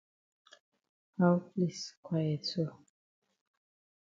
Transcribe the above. How place quiet so?